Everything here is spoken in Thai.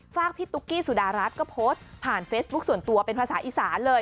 พี่ตุ๊กกี้สุดารัฐก็โพสต์ผ่านเฟซบุ๊คส่วนตัวเป็นภาษาอีสานเลย